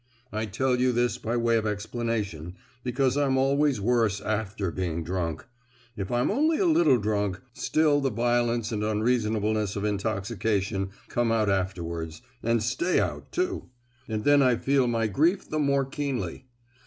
—I tell you this by way of explanation, because I'm always worse after being drunk! If I'm only a little drunk, still the violence and unreasonableness of intoxication come out afterwards, and stay out too; and then I feel my grief the more keenly.